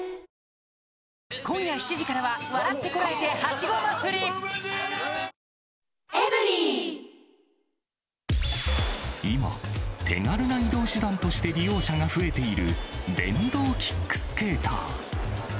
お酒飲んで、運転されたこと今、手軽な移動手段として利用者が増えている電動キックスケーター。